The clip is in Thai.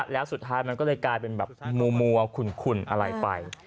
แล้วสุดท้ายมันก็เลยกลายเป็นแบบมัวขุ่นอะไรไป